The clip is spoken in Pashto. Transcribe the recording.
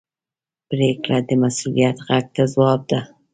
پرېکړه د مسؤلیت غږ ته ځواب ده.